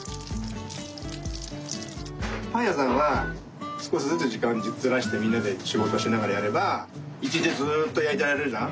パンやさんはすこしずつじかんずらしてみんなでしごとしながらやればいちにちずっとやいてられるじゃん？